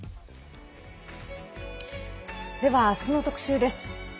では、明日の特集です。